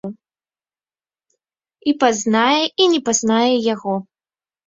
І пазнае і не пазнае яго.